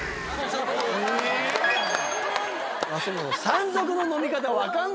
山賊の飲み方分かんないけども。